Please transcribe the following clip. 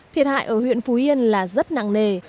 thiệt hại ở huyện phú yên là rất nặng nề